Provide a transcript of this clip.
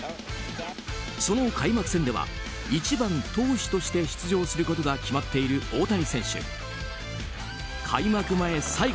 その開幕戦では１番投手として出場することが決まっている大谷選手。